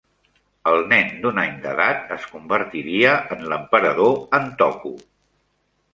El nen d'un any d'edat es convertiria en l'emperador Antoku.